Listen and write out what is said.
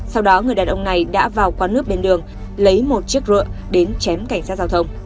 sau đó người đàn ông này đã vào quán nước bên đường lấy một chiếc rựa đến chém cảnh sát giao thông